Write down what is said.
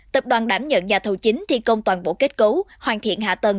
tập đoàn đảm nhận nhà thầu chính thi công toàn bộ kết cấu hoàn thiện hạ tầng